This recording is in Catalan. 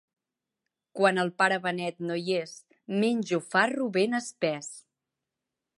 Quan el pare Benet no hi és, menjo farro ben espès.